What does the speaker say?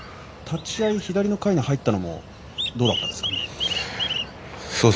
立ち合い、左のかいなが入ったのはどうだったんですか？